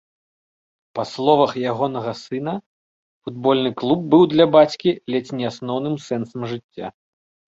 Па словах ягонага сына, футбольны клуб быў для бацькі ледзь не асноўным сэнсам жыцця.